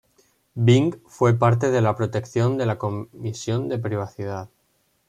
Bing fue parte de la protección de la Comisión de Privacidad.